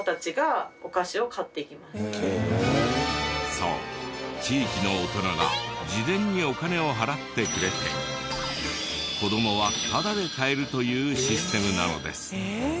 そう地域の大人が事前にお金を払ってくれて子どもはタダで買えるというシステムなのです。